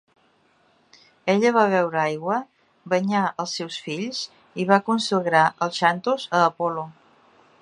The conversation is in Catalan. Ella va beure aigua, banyà els seus fills i va consagrar el Xantos a Apol·lo.